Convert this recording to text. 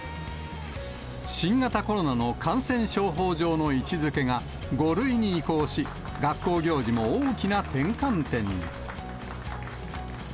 新型コロナの感染症法上の位置づけが５類に移行し、学校行事も大きな転換点に。